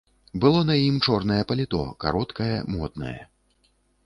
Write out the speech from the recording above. Было на ім чорнае паліто, кароткае, моднае.